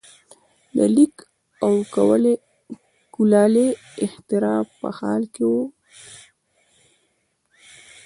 د لیک او کولالۍ اختراع په حال کې وو.